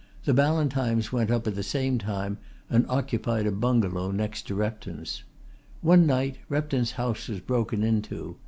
The Ballantynes went up at the same time and occupied a bungalow next to Repton's. One night Repton's house was broken into.